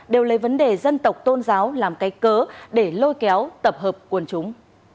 đều lấy vấn đề dân tộc tôn giáo làm cái cớ để lôi kéo tập hợp quân chúng